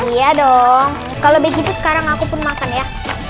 iya dong kalau begitu sekarang aku pun makan ya